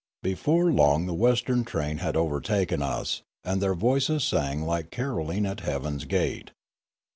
Before long the western train had overtaken us, and their voices rang like carolling at heaven's gate.